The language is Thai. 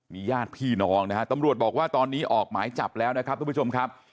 ญาติพี่น้องนะฮะตำรวจบอกว่าตอนนี้ออกหมายจับแล้วนะครับทุกผู้ชมครับ